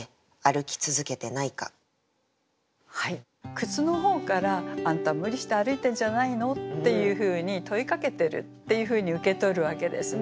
靴の方から「あんた無理して歩いてんじゃないの？」っていうふうに問いかけてるっていうふうに受け取るわけですね。